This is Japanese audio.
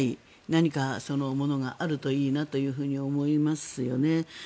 何か、ものがあるといいなと思いますよね。